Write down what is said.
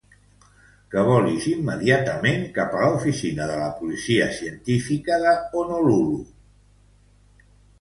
Que volis immediatament cap a l'oficina de la Policia Científica de Honolulu!